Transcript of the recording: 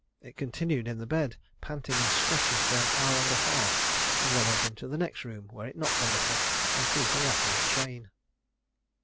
It continued in the bed, panting and scratching for an hour and a half, and then went into the next room, where it knocked a little, and seemed to rattle a chain."